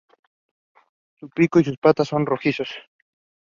One focus of the collection is on video dance or camera choreographies.